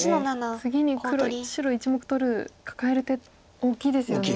次に白１目取るカカえる手大きいですよね。